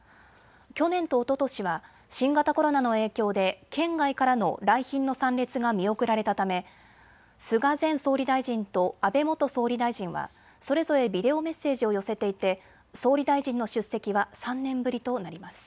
去年とおととしは新型コロナの影響で県外からの来賓の参列が見送られたため菅前総理大臣と安倍元総理大臣はそれぞれビデオメッセージを寄せていて、総理大臣の出席は３年ぶりとなります。